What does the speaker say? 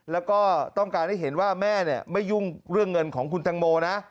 แล้วก็ต้องการให้เห็นว่าแม่ไม่ยุ่งเรื่องเงินของคุณตังโมนะ